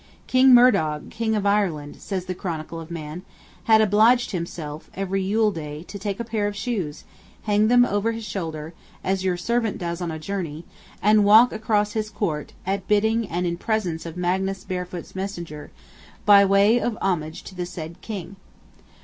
"King Murdog, King of Ireland," says the Chronicle of Man, "had obliged himself, every Yule day, to take a pair of shoes, hang them over his shoulder, as your servant does on a journey, and walk across his court, at bidding and in presence of Magnus Barefoot's messenger, by way of homage to the said King."